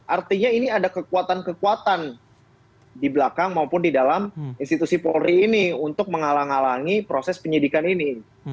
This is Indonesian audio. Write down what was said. artinya ini ada kekuatan kekuatan di belakang maupun di dalam institusi polri ini untuk menghalang halangi proses penyidikan ini